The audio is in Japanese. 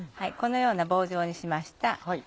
このような棒状にしました。